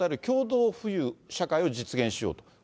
共同富裕社会を実現しようと。